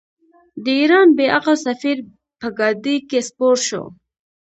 د ایران بې عقل سفیر په ګاډۍ کې سپور شو.